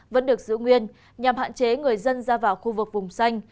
vẫn được giữ nguyên nhằm hạn chế người dân ra vào khu vực vùng xanh